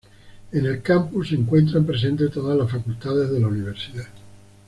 En el Campus se encuentran presentes todas las facultades de la universidad.